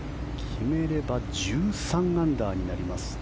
決めれば１３アンダーになります。